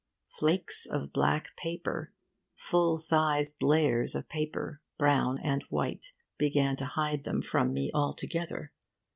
Flakes of black paper, full sized layers of paper brown and white, began to hide them from me altogether.